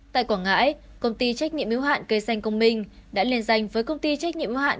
tại quảng ngãi công ty trách nhiệm yếu hạn cây xanh công minh đã liên danh với công ty trách nhiệm hữu hạn